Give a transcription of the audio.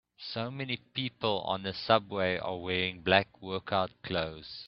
So many people on the subway are wearing black workout clothes.